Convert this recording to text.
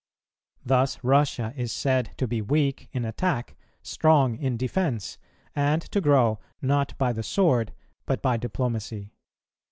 Thus Russia is said to be weak in attack, strong in defence, and to grow, not by the sword, but by diplomacy.